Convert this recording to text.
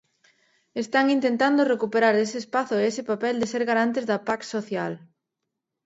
Están intentando recuperar ese espazo e ese papel de ser garantes da 'pax social'.